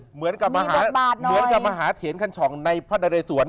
เหมือนกับมาหาเถียนกันจอดในภรรยศวน